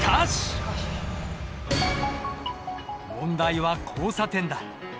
問題は交差点だ。